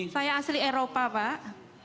saya asli eropa pak